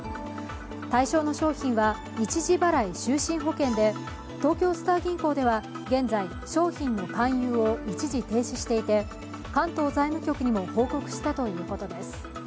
対象の商品は一時払い終身保険で東京スター銀行では現在の商品の勧誘を一時停止していて、関東財務局にも報告したということです。